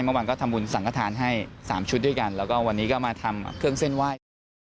เมื่อวานก็ทำบุญสังขทานให้สามชุดด้วยกันแล้วก็วันนี้ก็มาทำเครื่องเส้นไหว้กัน